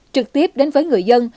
trực tiếp đến với người dân